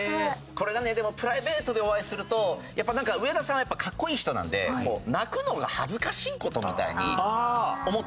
これがねでもプライベートでお会いするとやっぱなんか上田さん格好いい人なんで泣くのが恥ずかしい事みたいに思っ